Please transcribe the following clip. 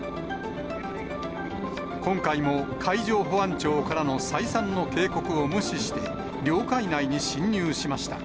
今回も海上保安庁からの再三の警告を無視して、領海内に侵入しました。